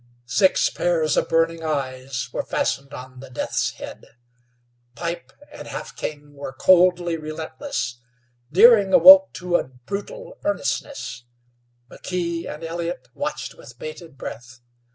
Six pairs of burning eyes were fastened on the Deaths head. Pipe and Half King were coldly relentless; Deering awoke to a brutal earnestness; McKee and Elliott watched with bated breath.